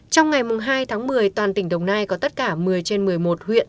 trong ngày hai tháng một mươi toàn tỉnh đồng nai có tất cả một mươi trên một mươi một huyện